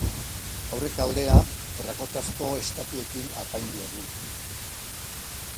Aurrealdea terrakotazko estatuekin apaindua du.